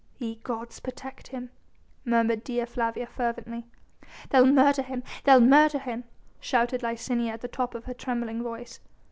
"Ye gods protect him," murmured Dea Flavia fervently. "They'll murder him! they'll murder him!" shouted Licinia at the top of her trembling voice.